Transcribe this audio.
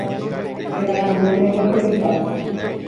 Chera'ãrõne gueterípa.